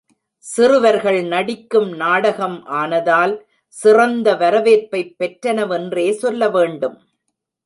சிறுவர்கள் நடிக்கும் நாடகம் ஆனதால் சிறந்த வரவேற்பைப் பெற்றனவென்றே சொல்லவேண்டும்.